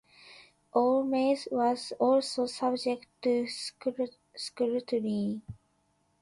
All mail was also subject to scrutiny.